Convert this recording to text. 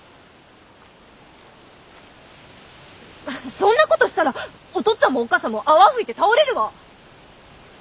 そんなことしたらおとっつあんもおっかさんも泡吹いて倒れるわ！